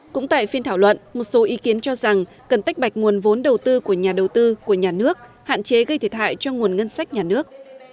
cũng tại phiên thảo luận một số ý kiến cho rằng cần tách bạch nguồn vốn đầu tư của nhà đầu tư của nhà nước hạn chế gây thiệt hại cho nguồn ngân sách nhà nước